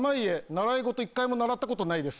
習い事１回も習ったことないです。